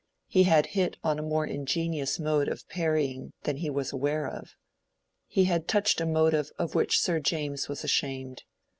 He had hit on a more ingenious mode of parrying than he was aware of. He had touched a motive of which Sir James was ashamed.